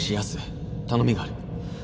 頼みがある。